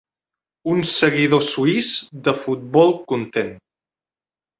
Un seguidor suís de futbol content.